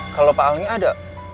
kalo pak alnya ada